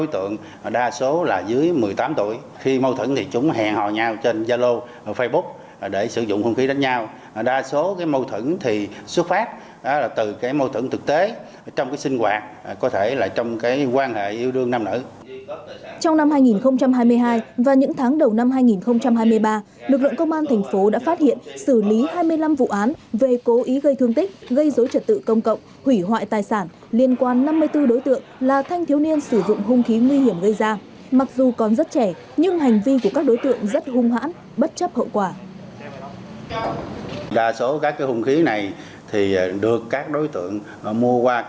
trong năm hai nghìn hai mươi hai và những tháng đầu năm hai nghìn hai mươi ba lực lượng công an tp đã phát hiện xử lý hai mươi năm vụ án về cố ý gây thương tích gây dối trật tự công cộng hủy hoại tài sản liên quan năm mươi bốn đối tượng là thanh thiếu niên sử dụng hung khí nguy hiểm gây ra mặc dù còn rất trẻ nhưng hành vi của các đối tượng rất hung hãn bất chấp hậu quả